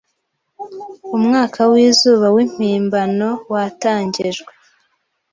umwaka w'izuba w'impimbano watangijwe